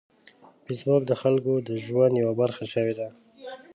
فېسبوک د خلکو د ژوند یوه برخه شوې ده